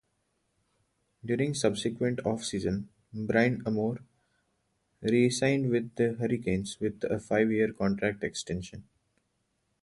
During subsequent off-season, Brind'Amour re-signed with the Hurricanes with a five-year contract extension.